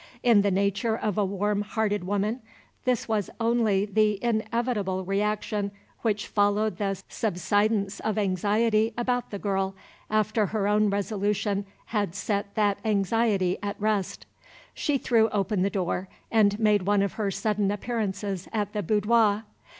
In the nature of a warm hearted woman, this was only the inevitable reaction which followed the subsidence of anxiety about the girl, after her own resolution had set that anxiety at rest. She threw open the door and made one of her sudden appearances at the boudoir.